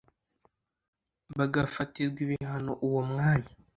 bagafatirwa ibihano uwo mwanya